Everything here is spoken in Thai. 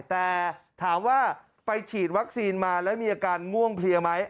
แต่ถามว่าไปฉีดวัคซีนมาแล้วมีอาการง่วงเพลียไหม